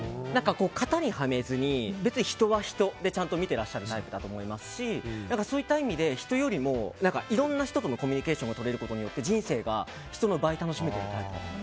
型にはめずに人は人で見ていらっしゃるタイプだと思いますしそういった意味で人よりもいろんな人とのコミュニケーションがとれることによって人生が人の倍楽しめてるタイプ。